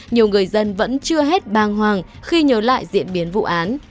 nhiều người dân vẫn chưa hết bàng hoàng khi nhớ lại diễn biến vụ án